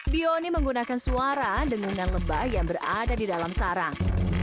bioni menggunakan suara dengungan lebah yang berada di dalam sarang